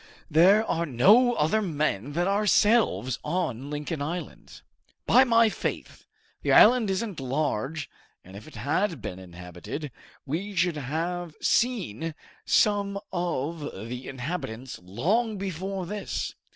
"There are no other men than ourselves on Lincoln Island! By my faith! The island isn't large and if it had been inhabited, we should have seen some of the inhabitants long before this!"